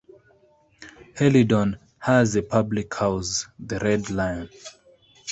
Hellidon has a public house, the Red Lion.